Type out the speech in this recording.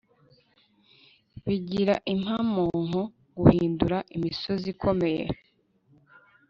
bigira impamonko guhindura imisozi ikomeye